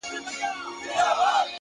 هره ورځ د نوې لاسته راوړنې پیل کېدای شي؛